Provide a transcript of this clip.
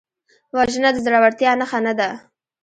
وژنه د زړورتیا نښه نه ده